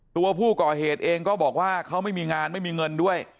ตัวผู้ก่อเหตุเองก็บอกว่าเขาไม่มีงานไม่มีเงินด้วย